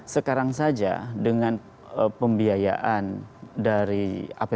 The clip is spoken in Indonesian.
sekarang saja dengan pembiayaan dari apbn